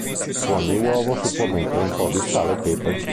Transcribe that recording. Su ogni uovo si può mettere un po' di sale e pepe.